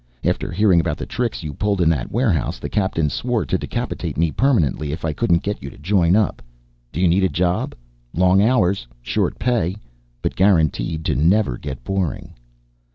After hearing about the tricks you pulled in that warehouse, the Captain swore to decapitate me permanently if I couldn't get you to join up. Do you need a job? Long hours, short pay but guaranteed to never get boring."